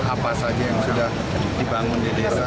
apa saja yang sudah dibangun di desa